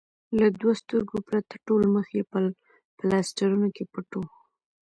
له دوو سترګو پرته ټول مخ یې په پلاسټرونو کې پټ و.